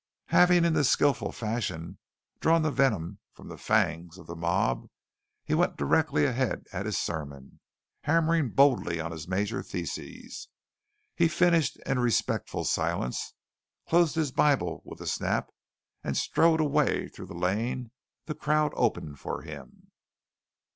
Having in this skilful fashion drawn the venom from the fangs of the mob, he went directly ahead at his sermon, hammering boldly on his major thesis. He finished in a respectful silence, closed his Bible with a snap, and strode away through the lane the crowd opened for him.